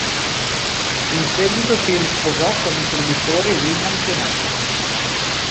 In seguito si risposò con il produttore William Tennant.